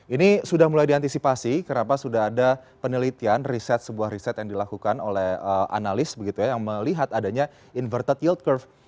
ini sudah mulai diantisipasi kenapa sudah ada penelitian riset sebuah riset yang dilakukan oleh analis yang melihat adanya inverted yid curve